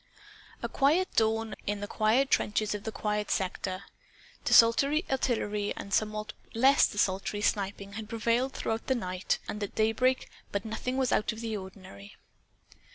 A quiet dawn, in the quiet trenches of the quiet sector. Desultory artillery and somewhat less desultory sniping had prevailed throughout the night, and at daybreak; but nothing out of the ordinary.